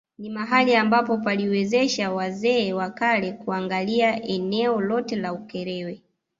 Ni mahali ambapo paliwawezesha wazee wa kale kuangali eneo lote la Ukerewe